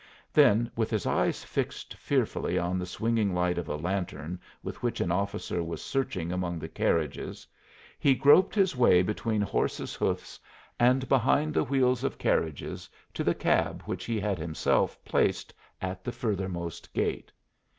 Then with his eyes fixed fearfully on the swinging light of a lantern with which an officer was searching among the carriages, he groped his way between horses' hoofs and behind the wheels of carriages to the cab which he had himself placed at the furthermost gate.